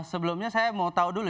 sebelumnya saya mau tahu dulu